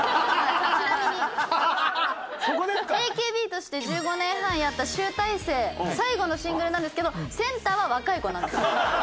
ＡＫＢとして１５年半やった集大成最後のシングルなんですけどセンターは若い子なんです。